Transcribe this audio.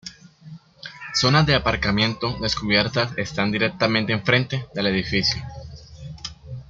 Zonas de aparcamiento descubiertas están directamente en frente del edificio.